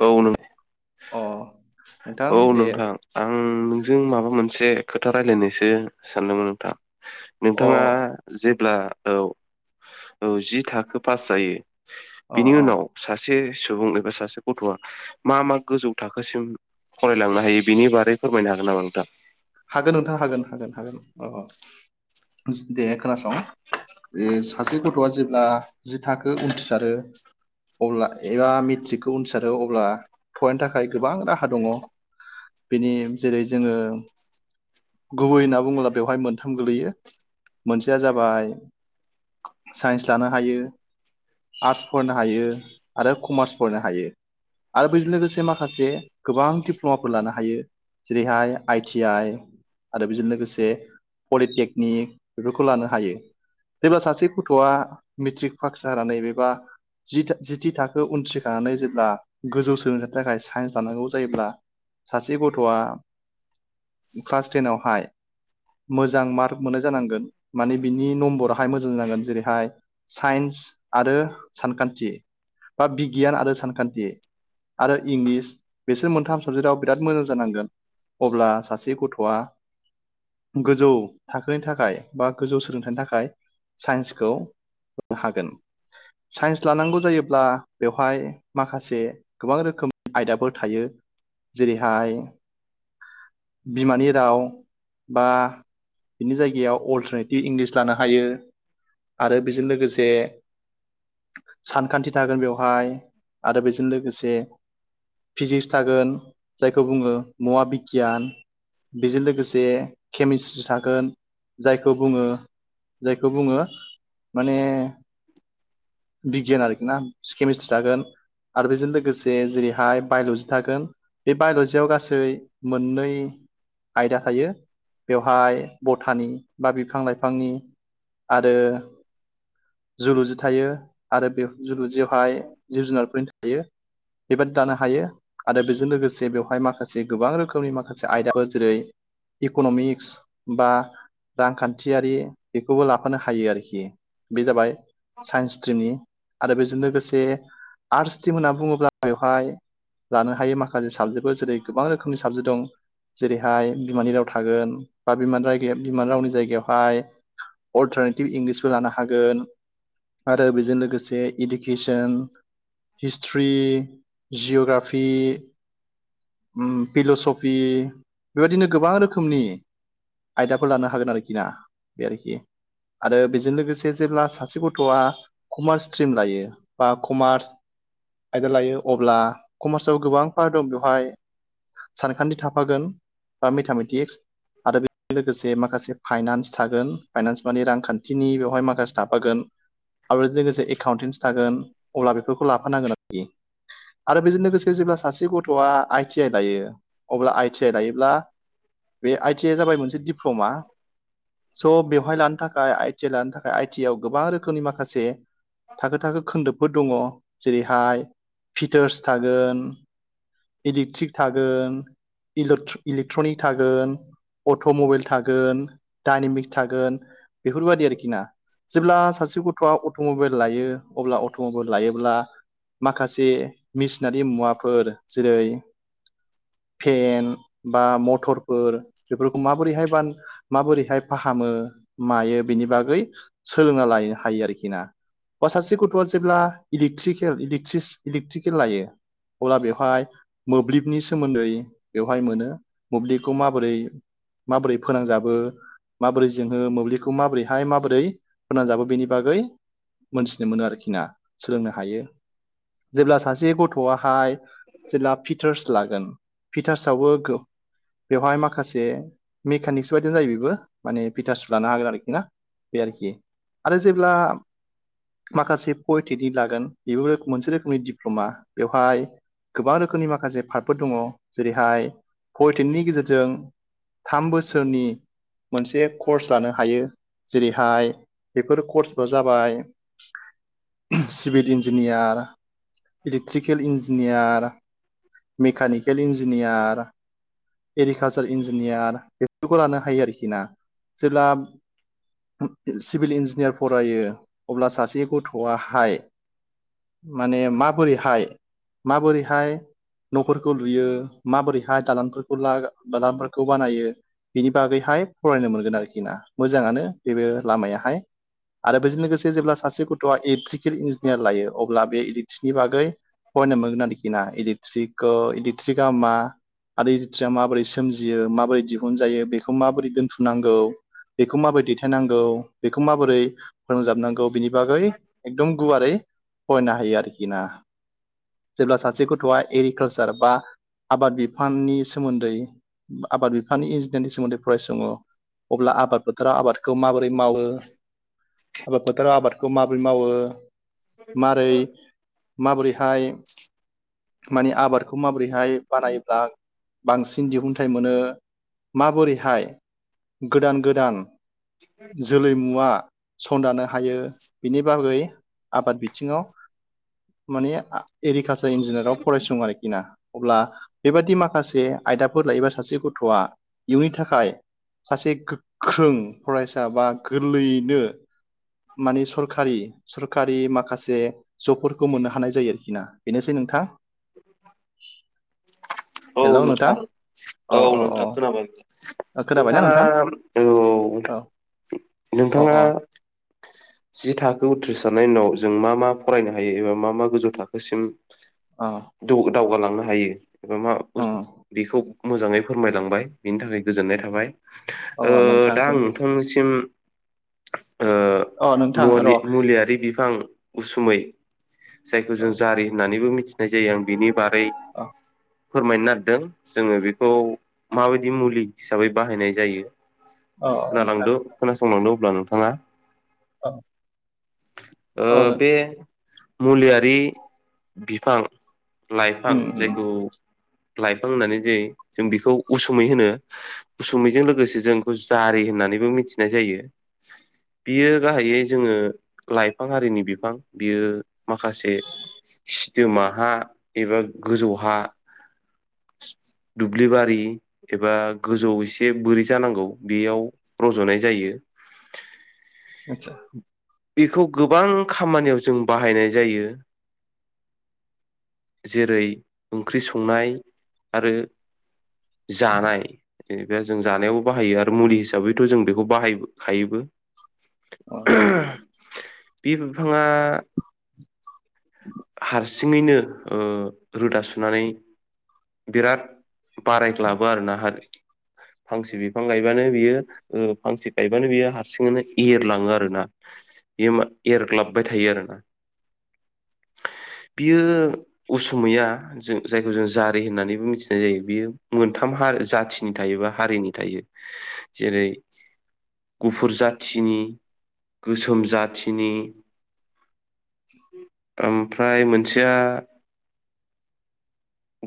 औ नों अ। नोंथां औ दे नोंथां आं नोंजों माबा मोनसे खोथा रायलायनोसो सानदोंमोन नोंथां। अ नोंथाङा जेब्ला औ औ जि थाखो पास जायो अ बिनि अ उनाव सासे सुबुं एबा सासे गथ'आ मा मा गोजौ थाखोसिम फरायलांनो हायो बेनि बारै फोरमायनो हागोन नामा नोंथां हागोन नोंथां हागोन हागोन हागोन अ दे खोनासं बे सासे गथ'आ जेब्ला जि थाखो उथिरिसारो अब्ला एबा मेट्रिकखौ उनथिसारो अब्ला फरायनो थाखाय गोबां राहा दङ बेनि जेरै जोङो गुबै होनना बुङोब्ला बेवहाय मोनथाम गोल्लैयो मोनसेया जाबाय साइन्स लानो हायो आर्टस फरायनो हायो आरो कमार्स फरायनो हायो आरो बजों लोगोसे माखासे गोबां दिप्ल'माफोर लानो हायो जेरैहाय आइटि आइ आरो बेजों लोगोसे पलिटेकनिक बेफोरखौ लानो हायो। जेब्ला सासे गथ'आ मेट्रिक पास जानानै एबा जि जिथि थाखो उनथ्रिखानानै जेब्ला गोजौ सोलोंथाइनि थाखाय साइन्स लानांगौ जायोब्ला। सासे गथ'आ क्लास टेनावहाय मोजां मार्क मोननाय जानांगोन माने बिनि नम्बराहाय मोजां जानांगोन जेरैहाय साइन्स आरो सानखान्थि बा बिगियान आरो सानखान्थि आरो इंलिस बिसोर मोनथाम साबजेक्टआव बिराद मोजां जानांगोन अब्ला सासे गथ'आ गोजौ थाखोनि थाखाय बा गोजौ सोलोंथाइनि थाखाय साइन्सखौ होनो हागोन साइन्स लानांगौ जायोब्ला बेवहाय माखासे गोबां रोखोमनि आयदाफोर थायो जेरैहाय। बिमानि राव बा बिनि जायगायाव अल्टारनेटिभ इंलिस लानो हायो आरो बेजों लोगोसे सानखान्थि थागोन बेवहाय आरो बेजों लोगोसे फिजिक्स थागोन जायखौ बुङो मुवा बिगियान बेजों लोगोसे केमिस्ट्रि थागोन जायखौ बुङो जायखौ बुङो माने बिगियान आरोखि ना केमिस्ट्रि थागोन आरो बेजों लोगोसे जेरैहाय बायल'जि थागोन बे बायग'जियाव गासै मोननै आयदा थायो बेवहाय बथानि बा बिफां लाइफांनि आरो जुलुजि थायो आरो बे जोलु जिवावहाय जिब जुनारफोरनि थाखाय बेबादि दानो हायो आरो बेजों लोगोसे बेवहाय माखासे गोबां रोखोमनि माखासे आइ जेरै इक'न'मिक्स बा रांखान्थियारि बेखौबो लाफानो हायो आरोखि बे जाबाय साइन्स स्ट्रिमनि आरो बेजों लोगोसे आर्टस स्ट्रिम होनना बुङोब्ला बेवहाय लानो हायो माखासे साबजेक्टफोर जेरै गोबां रोखोमनि साबजेक्ट दं जेरैहाय बिमानि राव थागोन बा बिमानि रावनि जायगायावहाय अल्टारनेटिभ इंलिसबो लानो हागोन आरो बेजों लोगोसे इडुकेसन हिस्ट्रि जिअग्राफि फिल'सफि बेबायदिनो गोबां रोखोमनि आयदाफोर लानो हागोन आरोखि ना बे आरोखि आरो बेजों लोगोसे जेब्ला सासे गथ'आ कमार्स स्ट्रिम लायो बा कमार्स आयदा लायो अब्ला कमार्सआव गोबां फारट दं बेवहाय [unintelligible] सानखान्थि थाफागोन बा मेथामेटिक्स आरो बेजों लोगोसे माखासे फाइनान्स थागोन फाइनान्स माने रांखान्थिनि बेवहाय माखासे थाफागोन आरो बेजों लोगोसे एकाउन्टेन्स थागोन अब्ला बेफोरखौ लाफानांगोन आरोखि आरो बेजों लोगोसे जेब्ला सासे गथ'आ आइ टि आइ लायो अब्ला आइ आइ टि आइ लायोब्ला बे आइ टि आइ आ जाबाय मोनसे दिप्ल'मा स' बेवहाय लानो थाखाय आइ टि आइ लानो थाखाय आइ टि आइ आव गोबां रोखोमनि माखासे थाखो थाखो खोन्दोफोर दङ जेरैहाय फिटार्स थागोन एलेकक्ट्रिक थागोन इलेक्ट्रनिक थागोन [unintelligible] अट'मबाइल थागोन डाइनेमिक्स थागोन बेफोरबायदि आरोखि ना जेब्ला सासे गथ'आ अट' मबाइल लायो अब्ला अट'मबाइल लायोब्ला माखासे मेसिनारि मुवाफोर जेरै फेन बा मथर बेफोरखौ माबोरैहाय बानायो माबोरैहाय फाहामो मायो बिनि बागै सोलोंना लानो हायो आरोखि ना बा सासे गथ'आ जेब्ला इलेकक्ट्रिकेल इलेक्ट्रिकेल लायो अब्ला बेवहाय मोब्लिबनि सोमोन्दै बेवहाय मोनो मोब्लिखौ माबोरै माबोरै फोनांजाबो माबोरै जोङो मोब्लिखौ माबोरैहाय माबोरै फोनांजाबो बेनि बागै मोनथिनो मोनो आरोखि ना सोलोंनो हायो जेब्ला सासे गथ'आहाय जेब्ला फिटार्स लागोन फिटार्सआवबो बेवहाय माखासे मेकानिक्स बायदि जायो बेबो माने भिटार्स लानो हागोन आरोखि ना बे आरोखि आरो जेब्ला माखासे पलिटेकनिक लागोन बेबो मोनसे रोखोमनि दिप्ल'मा बेवहाय गोबां रोखोमनि माखासे पार्टफोर दङ जेरैहाय परटेनिकनि गेजेरजों [unintelligible] थाम बोसोरनि मोनसे कर्स लानो हायो जेरैहाय बेफोर कर्सबो जाबाय civil engineer electrical engineer mechanical engineer agriculture engineer बेफोरखौ लानो हायो आरोखि ना जेब्ला सिभिल इन्जिनियार फरायो अब्ला सासे गथ'आहाय [unintelligible] माने माबोरैहाय माबोरैहाय न'खर माबोरैहाय दालांफोरखौ दालांफोरखौ बानायो बिनि बागैहाय फरायनो मोनगोन आरोखि ना मोजाङानो बेबो लामायाहाय आरो बेजों लोगोसे जेब्ला सासे गथ'आ एलेकट्रिक इलेक्ट्रिकेल इन्जिनियार लायो अब्ला बे इलेक्ट्रिकनि बागै फरायनो मोनगोन आरोखि ना इलेक्ट्रिक इलेक्ट्रिका मा आरो इलेक्ट्रया माबोरै सोमजियो माबोरै दिहुनजायो बेखौ माबोरै दोनथुमनांगौ बेखौ माबोरै दैथायनांगौ बेखौ माबोरै फोनांजाबनांगौ बेनि बि बागै एकदम गुवारै [unintelligible] फरायनो हायो आरोखि ना जेब्ला सासे गथ'आ एग्रिकालसार बा आबाद बिफाननि सोमोन्दै आबाद बिफानि इन्जिनियारनि सोमोन्दै फरायसङो अब्ला आबाद बोथोराव आबादखौ माबोरै मावो आबाद फोथाराव आबादखौ माबोरै मावो मारै माबोरैहाय माने आबाद खौ माबोरैहाय बानायोब्ला बांसिन दिहुनथाइ मोनो माबोरैहाय गोदान गोदान जोलै मुवा संदाननो हायो बिनि बागै आबाद बिथिङाव [unintelligible] माने एग्रिकालसार इन्जिनियाराव फरायसं आरोखि अब्ला बेबादि माखासे आयदाफोर लायोबा सासे गथ'आ इयुननि थाखाय सासे गोख्रों फरायसा बा गोरलैयैनो माने सरखारि सरखारि माखासे जबफोरखौ मोननो हानाय जायो आरोखि ना बेनोसै नोंथां [inaudible] हेलौ नोंथां अ औ अ नोंथां खोनाबाय अ खोनाबायना नोंथाङा नोंथां औ औ अ नोंथाङा अ जि थाखो उथ्रिसारनायनि उनाव जों मा मा फरायनो हायो एबा मा मा गोजौ थाखोसिम ओ दावगालांनो हायो एबा मा बुस उम बेखौ मोजाङै फोरमायलांबाय बिनि थाखाय गोजोननाय थाबाय अ ओ नोंथां दा आं थेंक इउ नोंथांसिम अ नोंथां मलि र' मुलियारि बिफां उसुमै जायखौ अ जों जारि होननानैबो मिथिनाय जायो आं बिनि बारै अ फोरमायनो [unintelligible] जोङो बेखौ माबायदि मुलि हिसाबै बाहायनाय जायो खोनालांद अ खोनासंलांदो अब्ला नोंथाङा ओ औ नों बे मुलियारि बिफां लाइफां उम उम जायखौ लाइफां होननानै जायो जों बेखौ उसुमै होनो उसुमैजों लोगोसे जोंबेखौ जारि होननानैबो मिथिनाय जायो बियो गाहायै जोङो लाइफां हारिनि बिफां बियो माखासे सिदोम हा एबा गोजौ हा दुब्लिबारि एबा गोजौ एसे बोरै जानांगौ बेयाव रज'नाय जायो आतसा बेखौ गोबां खामानियाव जों बाहायनाय जायो जेरै ओंख्रि संनाय आरो जानाय जेनेबा जों जानायावबो बाहायो आरो मुलि हिसाबैथ' जों बेखौ बाहाय खायोबो अ बे बिफाङा हारसिङैनो ओ रोदा सुनानै बिराद बारायग्लाबो आरो ना फांसे बिफां गायबानो बियो ओ फांसे गायबानो बियो हारसिङैनो एरलाङो आरो ना [unintelligible] एरग्लाबबाय थायो आरोना बियो उसुमैया जों जायखौ जों जा होननानैबो मिथिनाय जायो बेयो मोनथाम हा जाथिनि थायो बा हारिनि थायो जेरै गुफुर जाथिनि गोसोम जाथिनि ओमफ्राय मोनसेया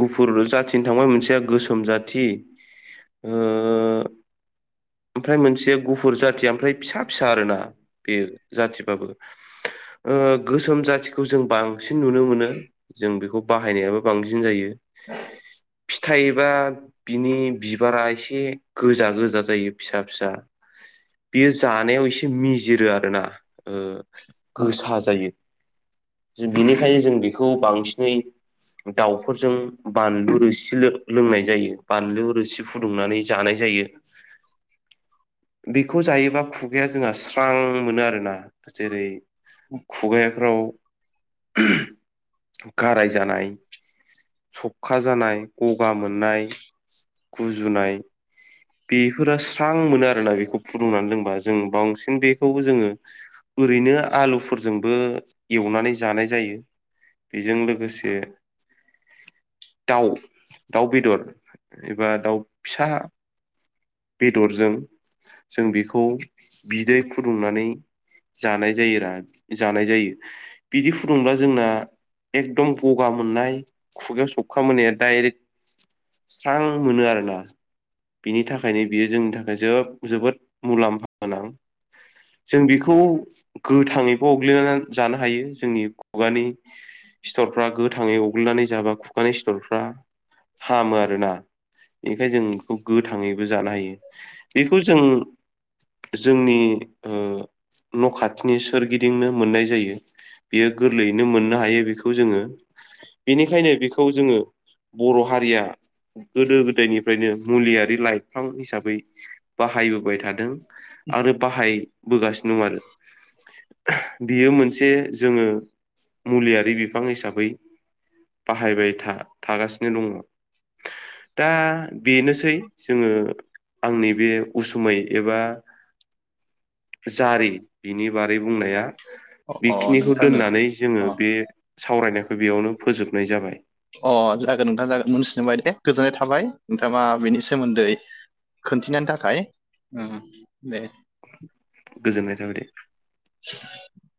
गुफुर जाथिनि थांबाय मोनसेया गोसोम जाथि ओ ओमफ्राय मोनसे गुफुर जाथिया ओमफ्राय फिसा फिसा आरोना बियो जाथिबाबो ओ गोसोम जाथिखौ जों बां बांसिन नुनो मोनो जों बेखौ बाहायनायाबो बांसिन जायो [inaudible] फिथाइ बा बिनि बिबारा एसे गोजा गोजा जायो फिसा फिसा बियो जानायाव एसे मिजिरो आरोना ओ उम गोसा जायो बेनिखायनो जों बेखौ बांसिनै दाउफोरजों बानलु रोसि लोंनाय जायो बानलु रोसि फुदुंनानै जानाय जायो बेखौ जायोबा खुगाया जोंहा स्रां मोनो आरोना जेरै खुगायाफ्राव गाराय जानाय सबखा जानाय गगा मोननाय गुजुनाय बिफोरा स्रां मोनो आरोना बेखौ फुदुंनानै लोंबा जों बांसिन बेखौबो जोङो ओरैनो आलुफोरजोंबो एवनानै जानाय जायो। बेजों लोगोसे दाउ दाउ बेदर एबा दाउ फिसा बेदरजों जों बेखौ बिदै फुदुंनानै जानाय जायो रा जानाय जायो। बिदि फुदुंब्ला जोंना एकदम गगा मो मोननाय खुगायाव सबखा मोननाया डाइरेक्ट स्रां मोनो आरोना। बिनि थाखायनो बियो जोंनि थाखाय जोब जोबोद मुलाम्फा गोनां। जों बिखौ गोथाङैबो अग्लिनानै जानो हायो जोंनि खुगानि सिथरफ्रा गोथाङै अग्लिनानै जाबा खुगानि सिथरफ्रा हामो आरोना। बेखायनो जों बेखौ गोथाङैबो जानो हायो बेखौ जों जोंनि ओ न' खाथिनि सोरगिदिंनो मोननाय जायो। बेयो गोरलैयैनो मोननो हायो बेखौ जोङो बेनिखायनो बेखौ जोङो बर' हारिया गोदो गोदायनिफ्रायनो मुलियारि लाइफां हिसाबै बाहायबोबाय थादों आरो बाहायबोगासिनो दं आरो। बियो मोनसे जोङो मुलियारि बिफां हिसाबै बाहायबाय था- थागासिनो दङ। दा बेनोसै जोङो आंनि बे उसुमै एबा जारि बिनि बारै बुंनाया। अ अ बेखिनिखौ नोंथांनो दोननानै जोङो अ बे सावरायनायखौ बेयावनो फोजोबनाय जाबाय। अ जागोन नोंथां जागोन मोनथिनोबाय दे गोजोननाय थाबाय नोंथाङा मा बेनि सोमोन्दै खोनथिनानो थाखाय उम दे। गोजोननाय थाबायदे। [inaudible]